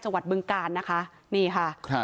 จังหวัดบึงการนะคะนี่ค่ะ